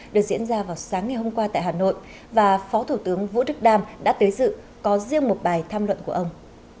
được diễn ra vào sáng ngày hôm qua tại hà nội và phó thủ tướng vũ đức đam đã tới dự có riêng một bài tham luận của ông